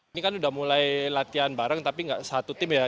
ini kan udah mulai latihan bareng tapi nggak satu tim ya